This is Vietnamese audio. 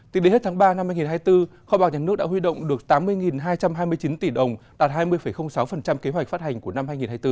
từ đến hết tháng ba năm hai nghìn hai mươi bốn kho bạc nhà nước đã huy động được tám mươi hai trăm hai mươi chín tỷ đồng đạt hai mươi sáu kế hoạch phát hành của năm hai nghìn hai mươi bốn